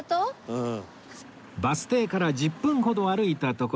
うん。